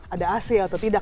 ada ac atau tidak